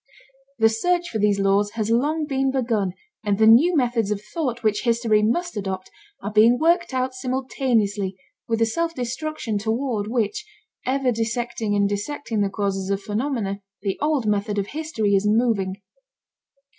The search for these laws has long been begun and the new methods of thought which history must adopt are being worked out simultaneously with the self destruction toward which—ever dissecting and dissecting the causes of phenomena—the old method of history is moving.